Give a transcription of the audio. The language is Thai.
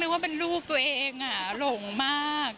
ว่าเป็นลูกตัวเองหลงมาก